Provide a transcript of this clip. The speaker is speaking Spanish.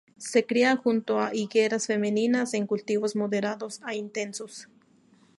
Se cría junto a higueras femeninas en cultivos moderados a intensos.